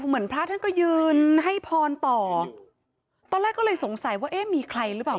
เหมือนพระท่านก็ยืนให้พรต่อตอนแรกก็เลยสงสัยว่าเอ๊ะมีใครหรือเปล่า